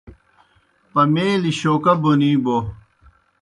پمیلیْ شوکا بونِی بو۔